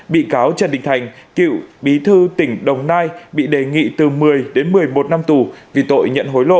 bị cáo trần đình thành cựu bí thư tỉnh đồng nai bị đề nghị từ một mươi đến một mươi một năm tù vì tội nhận hối lộ